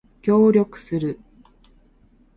協力する